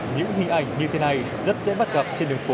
những hình ảnh như thế này rất dễ bắt gặp trên đường phố